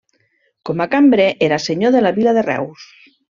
Com a cambrer, era senyor de la vila de Reus.